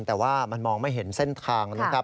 แต่ว่ามันมองไม่เห็นเส้นทางเลย